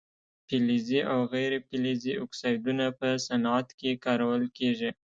فلزي او غیر فلزي اکسایدونه په صنعت کې کارول کیږي.